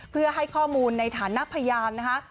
เพื่อให้ข้อมูลในฐานะพยานนะคะ